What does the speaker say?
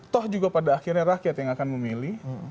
toh juga pada akhirnya rakyat yang akan memilih